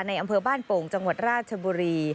อำเภอบ้านโป่งจังหวัดราชบุรี